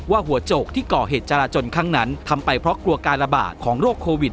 หัวโจกที่ก่อเหตุจราจนครั้งนั้นทำไปเพราะกลัวการระบาดของโรคโควิด